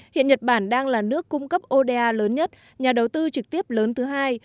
hiện nhật bản đang là nước cung cấp oda lớn nhất nhà đầu tư trực tiếp lớn thứ hai